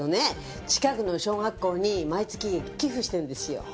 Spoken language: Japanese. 近くの小学校に毎月寄付してるんですよ。